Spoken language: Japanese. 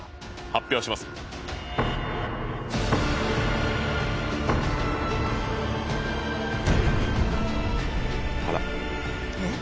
発表しますえっ？